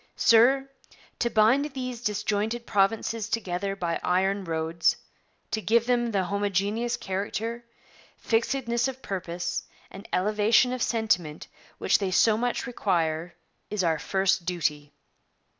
Sir, to bind these disjointed provinces together by iron roads; to give them the homogeneous character, fixedness of purpose, and elevation of sentiment, which they so much require, is our first duty.